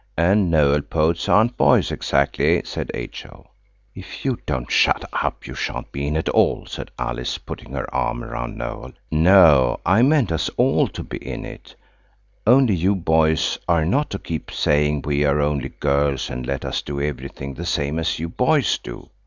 "And Noël–poets aren't boys exactly," said H.O. "If you don't shut up you shan't be in it at all," said Alice putting her arm round Noël. "No; I meant us all to be in it–only you boys are not to keep saying we're only girls, and let us do everything the same as you boys do."